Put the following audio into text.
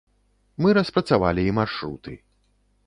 Мы распрацавалі і маршруты.